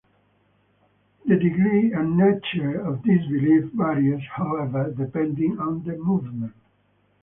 The degree and nature of this belief varies, however, depending on the movement.